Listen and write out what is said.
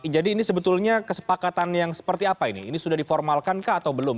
jadi ini sebetulnya kesepakatan yang seperti apa ini ini sudah diformalkan kah atau belum